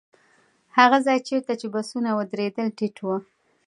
هغه ځای چېرته چې بسونه ودرېدل ټيټ و.